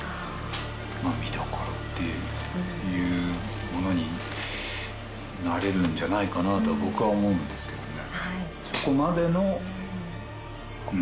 「まあ見どころっていうものになれるんじゃないかなと僕は思うんですけどね」